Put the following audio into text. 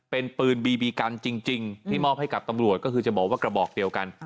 เป็นปืนบีบีกันจริงที่มอบให้กับตำรวจก็คือจะบอกว่ากระบอกเดียวกัน